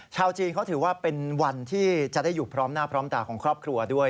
ชาวจีนเขาถือว่าเป็นวันที่จะได้อยู่พร้อมหน้าพร้อมตาของครอบครัวด้วย